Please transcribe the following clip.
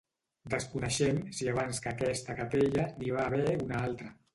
Desconeixem si abans que aquesta capella n'hi va haver una altra.